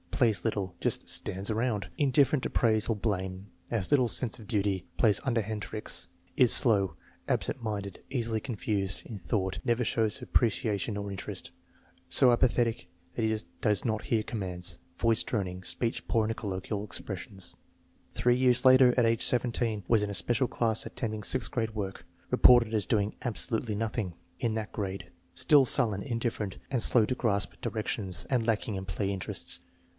Plays little. Just " stands around.'* Indifferent to praise or blame, has little sense of duty, plays underhand tricks. Is slow, absent minded, easily confused, in thought, never shows appreciation or interest. So apathetic that he does not hear commands. Voice droning. Speech poor in colloquial expressions. 84 THE MEASUREMENT OF INTELLIGENCE Three years later, at age of 17, was in a special class attempting sixth grade work. Reported as doing "absolutely nothing" in that grade. Still sullen, indifferent, and slow in grasping directions, and lacking in play interests.